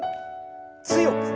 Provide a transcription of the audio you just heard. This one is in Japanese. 強く。